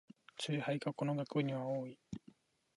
ツイ廃がこの学部には多い